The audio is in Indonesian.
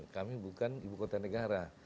kami bukan ibu kota negara